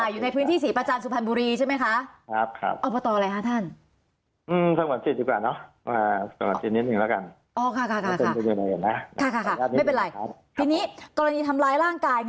อยู่ในพื้นที่ศรีประจันทร์สุพรรณบุรีใช่ไหมคะ